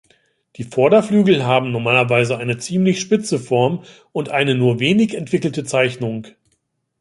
Die Vorderflügel haben normalerweise eine ziemlich spitze Form und eine nur wenig entwickelte Zeichnung.